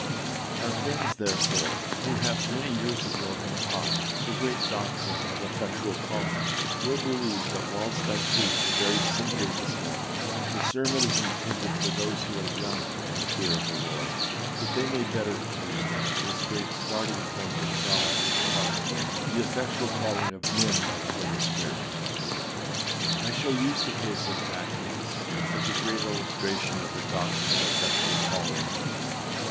Our friends, therefore, who have many years ago been taught the great doctrine of effectual calling, will believe that whilst I preach very simply this morning, the sermon is intended for those who are young in the fear of the Lord, that they may better understand this great starting point of God in the heart, the effectual calling of men by the Holy Spirit. I shall use the case of Zaccheus as a great illustration of the doctrine of effectual calling.